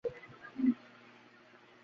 এমনই স্নায়ুপ্রবণ হয়ে উঠেছি, আর এতই দুর্বল।